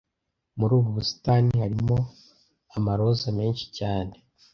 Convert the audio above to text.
Muri ubu busitani harimo amaroza menshi cyane